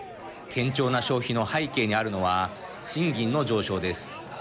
堅調な消費の背景にあるのは賃金の上昇です。